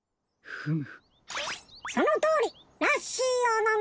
フム。